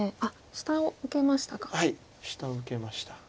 下受けました。